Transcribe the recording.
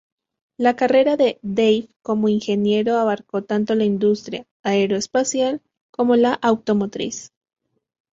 La carrera de Dave como ingeniero abarcó tanto la industria aeroespacial como la automotriz.